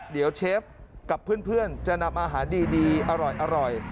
เดี๋ยวเชฟกับเพื่อนจะนำอาหารดีอร่อย